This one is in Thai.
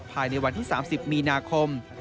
ภายในวันที่๓๐มีนาคม